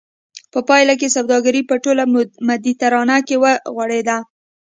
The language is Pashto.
په پایله کې سوداګري په ټوله مدیترانه کې وغوړېده